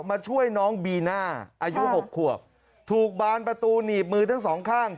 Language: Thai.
มาช่วยน้องบีน่าอายุหกขวบถูกบานประตูหนีบมือทั้งสองข้าง